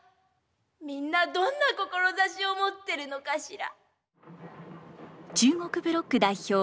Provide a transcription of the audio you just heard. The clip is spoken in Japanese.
みんなどんな志を持っているのかしら。